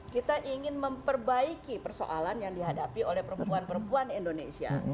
kita ingin memperbaiki persoalan yang dihadapi oleh perempuan perempuan indonesia